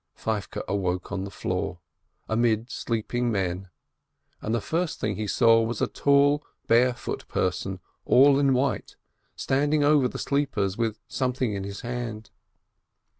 Feivke awoke on the floor, amid sleeping men, and the first thing he saw was a tall, barefoot person all in white, standing over the sleepers with something in his hand.